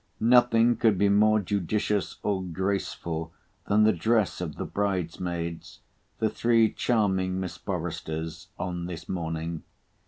Nothing could be more judicious or graceful than the dress of the bride maids—the three charming Miss Foresters—on this morning.